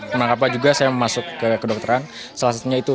penangkapan juga saya masuk ke kedokteran salah satunya itu